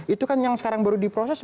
itu kan yang sekarang baru diproses